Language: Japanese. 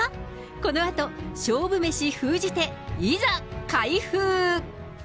このあと、勝負メシ封じ手、いざ、開封！